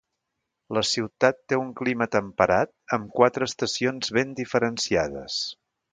La ciutat té un clima temperat amb quatre estacions ben diferenciades.